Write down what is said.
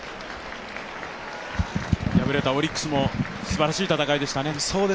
敗れたオリックスもすばらしい戦いでしたね。